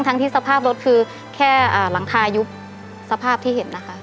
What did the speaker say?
ที่สภาพรถคือแค่หลังคายุบสภาพที่เห็นนะคะ